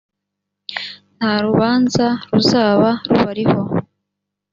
nta rubanza ruzaba rubariho